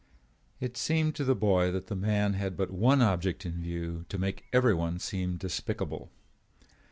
It seemed to the boy that the man had but one object in view, to make everyone seem despicable.